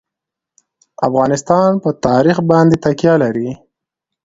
افغانستان په تاریخ باندې تکیه لري.